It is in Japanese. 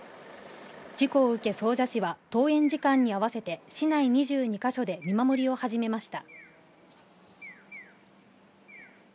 事故を受け総社市は登園時間に合わせて市内２２カ所で見守りを始めました